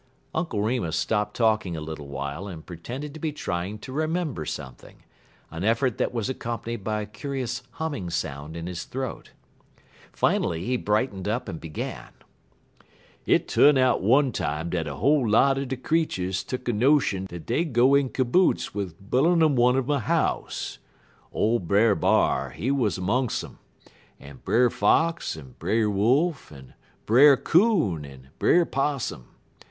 Uncle Remus stopped talking a little while and pretended to be trying to remember something, an effort that was accompanied by a curious humming sound in his throat. Finally, he brightened up and began: "Hit tu'n out one time dat a whole lot er de creeturs tuck a notion dat dey'd go in coboots wid buil'n' un um a house. Ole Brer B'ar, he was 'mongs' um, en Brer Fox, en Brer Wolf, en Brer 'Coon, en Brer 'Possum.